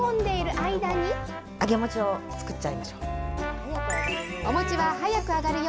揚げ餅を作っちゃいましょう。